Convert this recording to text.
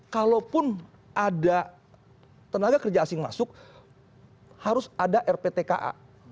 kalaupun ada tenaga kerja asing masuk harus ada rptka